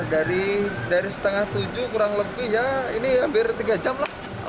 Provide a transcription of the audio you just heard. dari setengah tujuh kurang lebih ya ini hampir tiga jam lah